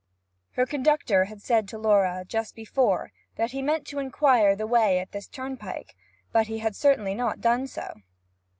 Her conductor had said to Laura, just before, that he meant to inquire the way at this turnpike; but he had certainly not done so.